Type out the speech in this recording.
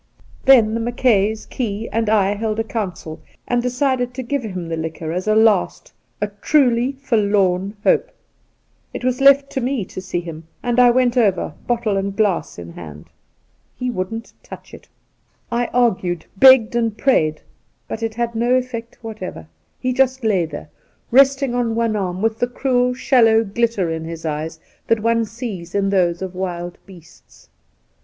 Then the Mackays, Key, and I held a council, and decided to give him the liquor as a last — a truly forlorn — hope. It was left to me to see him, and I went oyer bottle and glass in hand. He wouldn't touch it. 5—2 68 Soltke I argued, begged, and prayed ; but it had no effect whatever. He just lay there, resting on one arm, with the cruel, shallow glitter in his eyes that one sees in those of wild beasts.